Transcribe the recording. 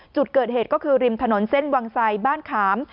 จุดเกิดเหตุก็คือริมถนนเส้นวังไสบ้านขาม